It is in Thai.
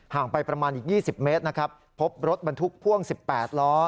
ห่างไปประมาณอีกยี่สิบเมตรนะครับพบรถบรรทุกพ่วงสิบแปดล้อ